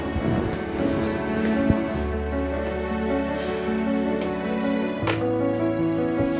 kamu dil spencer